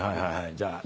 じゃあ。